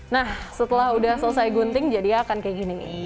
nah setelah sudah selesai gunting jadi akan kayak gini